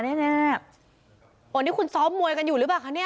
แน่โอ้นี่คุณซ้อมมวยกันอยู่หรือเปล่าคะเนี่ย